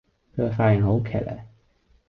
佢個髮型好騎咧